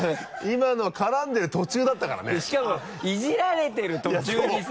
今のは絡んでる途中だったからねしかもイジられてる途中にさ。